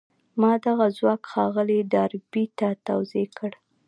ما دغه ځواک ښاغلي ډاربي ته توضيح کړ.